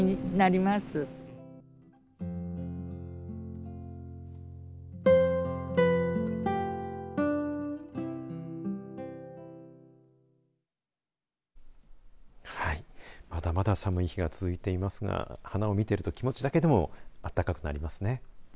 まだまだ寒い日が続いていますが花を見ていると気持ちだけでも暖かくなりますね。